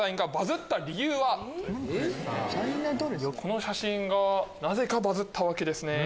この写真がなぜかバズったわけですね。